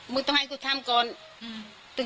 ต้องให้กูทำก่อน